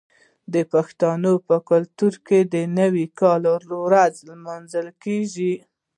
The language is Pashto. د پښتنو په کلتور کې د نوي کال ورځ لمانځل کیږي.